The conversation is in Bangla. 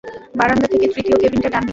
বারান্দা থেকে তৃতীয় কেবিন টা, ডানদিকে।